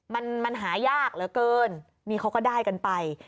มันมันหายากเหลือเกินนี่เขาก็ได้กันไป